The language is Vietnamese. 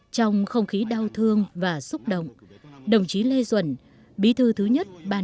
trong không khí đau thương và xúc động đồng chí lê duẩn bí thư thứ nhất ba đình